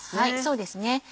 そうですね。